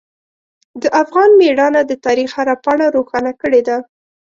د افغان میړانه د تاریخ هره پاڼه روښانه کړې ده.